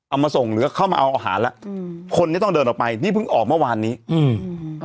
เอามาส่งหรือเข้ามาเอาอาหารแล้วอืมคนนี้ต้องเดินออกไปนี่เพิ่งออกเมื่อวานนี้อืม